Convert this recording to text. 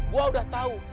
gua udah tahu